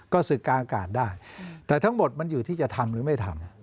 ก็ศึกกลางอากาศได้แต่ทั้งหมดมันอยู่ที่จะทำหรือไม่ทำ